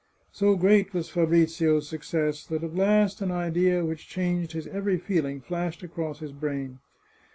So great was Fabrizio's success, that at last an idea which changed his every feeling flashed across his brain.